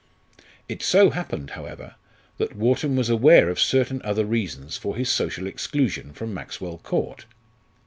It so happened, however, that Wharton was aware of certain other reasons for his social exclusion from Maxwell Court.